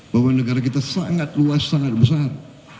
bahwa negara kita sangat luas sangat besar